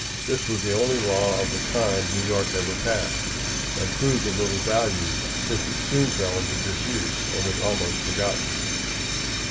This was the only law of the kind New York ever passed, and proved of little value, since it soon fell into disuse, and was almost forgotten.